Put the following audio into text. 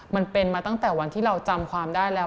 มันเป็นมาตั้งแต่วันที่เราจำความได้แล้ว